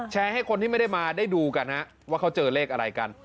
ให้คนที่ไม่ได้มาได้ดูกันว่าเขาเจอเลขอะไรกัน